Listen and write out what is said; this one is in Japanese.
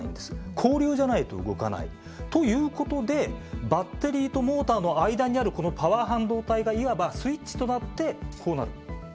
交流じゃないと動かないということでバッテリーとモーターの間にあるこのパワー半導体がいわばスイッチとなってこうなる。